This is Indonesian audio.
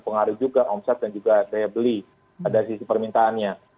pengaruh juga omset dan juga daya beli pada sisi permintaannya